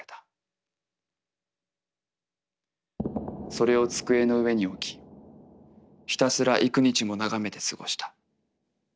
「それを机の上に置きひたすら幾日も眺めて過ごした。